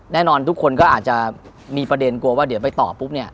แน่นอนทุกคนก็อาจจะมีประเด็นกลัวว่าเดี๋ยวไปต่อปุ๊บเนี่ย